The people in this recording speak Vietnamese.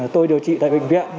tôi điều trị tại bệnh viện